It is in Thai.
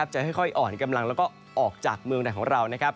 จะค่อยอ่อนกำลังแล้วก็ออกจากเมืองไหนของเรา